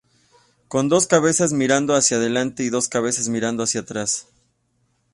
Con dos cabezas mirando hacia adelante y dos cabezas mirando hacia atrás.